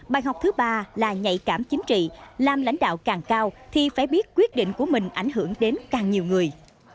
bài học thứ ba là nhạy cảm chính trị làm lãnh đạo càng cao thì phải biết quyết định của mình ảnh hưởng đến càng nhiều người